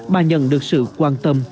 bà nhận được sự quan tâm